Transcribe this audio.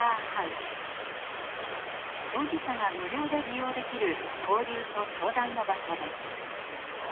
当事者が無料で利用できる交流と相談の場所です。